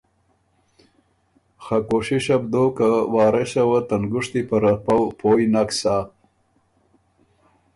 خه کوشِشه بو دوک که وارثه وه ته نګُشتی په رپؤ پویٛ نک سۀ۔